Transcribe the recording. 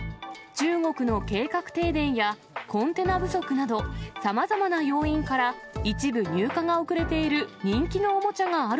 中国の計画停電やコンテナ不足など、さまざまな要因から、一部入荷が遅れている人気のおもちゃがある